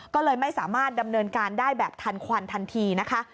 ก็เลยไม่สามารถดำเนินการได้แบบทันควันทันทีนะคะ